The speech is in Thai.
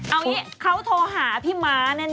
เอาอย่างนี้เขาโทรหาพี่ม๊าแน่